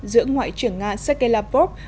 giữa ngoại trưởng nga sergei lavrov